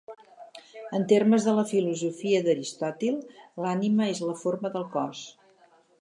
En termes de la filosofia d'Aristòtil: l'ànima és la forma del cos.